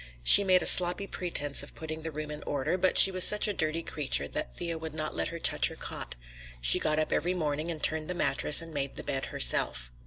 She made a sloppy pretense of putting the room in order, but she was such a dirty creature that Thea would not let her touch her cot; she got up every morning and turned the mattress and made the bed herself.